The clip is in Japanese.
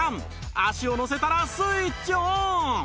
足を乗せたらスイッチオン！